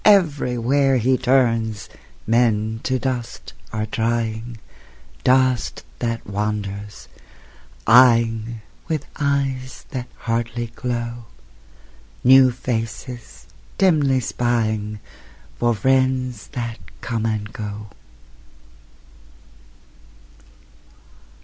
Everywhere he turns, Men to dust are drying, Dust that wanders, eying (With eyes that hardly glow) New faces, dimly spying For friends that come and go.